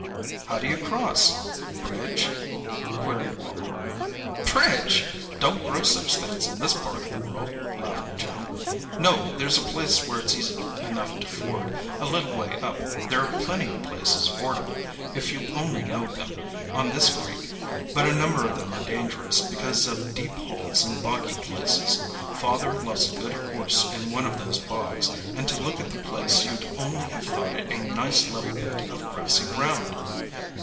"How do you cross? Bridge?" queried Wally. "Bridge!—don't grow such things in this part of the world," laughed Jim. "No, there's a place where it's easy enough to ford, a little way up. There are plenty of places fordable, if you only know them, on this creek; but a number of them are dangerous, because of deep holes and boggy places. Father lost a good horse in one of those bogs, and to look at the place you'd only have thought it a nice level bit of grassy ground."